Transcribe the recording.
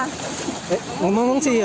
iya mau mengungsi